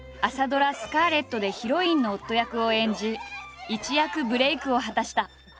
ドラ「スカーレット」でヒロインの夫役を演じ一躍ブレークを果たした。